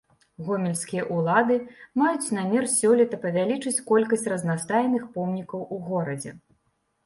Гомельскія ўлады маюць намер сёлета павялічыць колькасць разнастайных помнікаў у горадзе.